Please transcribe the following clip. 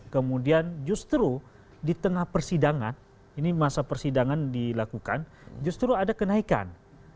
kemudian justru di tengah persidangan ini masa persidangan dilakukan justru ada kenaikan